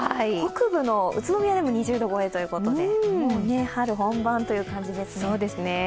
北部の宇都宮でも２０度超えということで、もう春本番という感じですね。